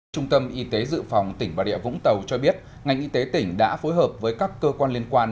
trung tâm y tế dự phòng tỉnh bà địa vũng tàu cho biết ngành y tế tỉnh đã phối hợp với các cơ quan liên quan